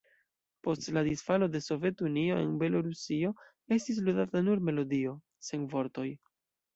Post la disfalo de Sovetunio en Belorusio estis ludata nur melodio, sen vortoj.